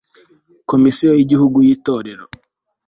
komisiyo y'igihugu y'itorero